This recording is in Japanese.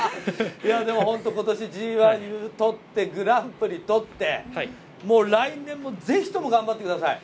今年、Ｇ１を取ってグランプリ取って来年もぜひとも頑張ってください。